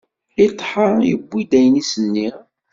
Iṭḥa iwwi-d ayen i s-nniɣ.